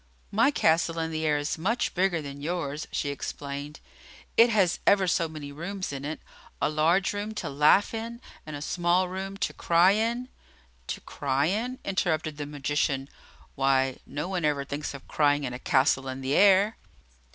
"My castle in the air is much bigger than yours," she explained. "It has ever so many rooms in it, a large room to laugh in and a small room to cry in " "To cry in?" interrupted the magician. "Why, no one ever thinks of crying in a castle in the air!"